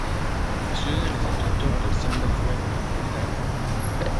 Estudió en el instituto Alexander Fleming Jr.